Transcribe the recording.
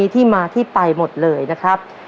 ถูกครับ